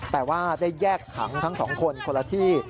แต่ว่าได้แยกขังทั้งสองคนคนละที่